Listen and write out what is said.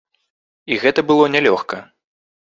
І гэта было нялёгка.